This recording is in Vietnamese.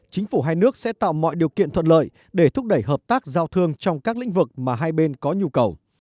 chính phủ hai nước sẽ tạo mọi điều kiện thuận lợi để thúc đẩy hợp tác giao thương trong các lĩnh vực mà hai bên có nhu cầu